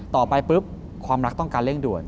ต่อไปปุ๊บความรักต้องการเร่งด่วน